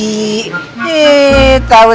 yee tau taunya kita lupa ya